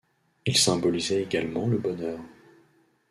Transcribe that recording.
Il symbolisait également le bonheur.